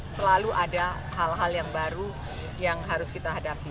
selalu ada hal hal yang baru yang harus kita hadapi